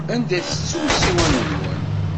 Anda i tettum ssiwan-nwen?